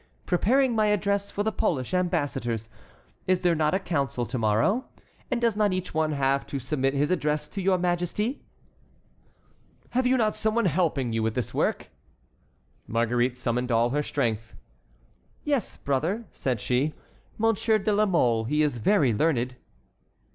"Preparing my address for the Polish ambassadors. Is there not a council to morrow? and does not each one have to submit his address to your Majesty?" "Have you not some one helping you with this work?" Marguerite summoned all her strength. "Yes, brother," said she, "Monsieur de la Mole. He is very learned."